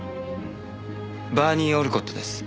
バーニー・オルコットです。